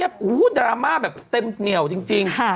ถูกค่อดราม่าแบบเต็มเหนียวจริง